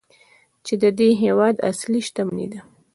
چې د دې هیواد اصلي شتمني ده.